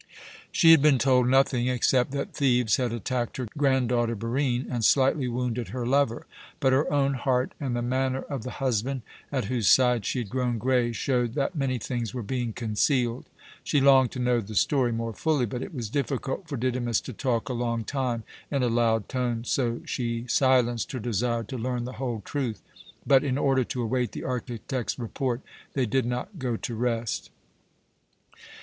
She had been told nothing except that thieves had attacked her granddaughter, Barine, and slightly wounded her lover; but her own heart and the manner of the husband, at whose side she had grown grey, showed that many things were being concealed. She longed to know the story more fully, but it was difficult for Didymus to talk a long time in a loud tone, so she silenced her desire to learn the whole truth. But, in order to await the architect's report, they did not go to rest.